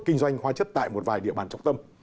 kinh doanh hoa chất tại một vài địa bàn trọng tâm